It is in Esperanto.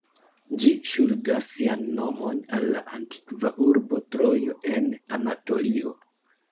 Ĝi ŝuldas sian nomon al la antikva urbo Trojo en Anatolio.